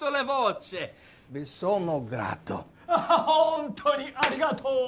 本当にありがとう！